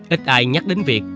ít ai nhắc đến việc